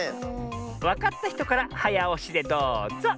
わかったひとからはやおしでどうぞ！